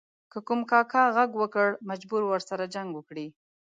که کوم کاکه ږغ وکړ مجبور و ورسره جنګ وکړي.